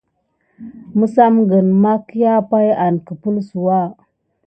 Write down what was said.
Məsamgəŋ mahkià pay an kəpelsouwa.